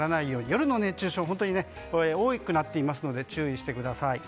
夜の熱中症は本当に多くなっていますので注意してください。